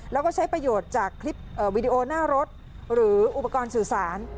แล้วก็ใช้ประโยชน์จากคลิปวีดีโอหน้ารถหรืออุปกรณ์สื่อสาร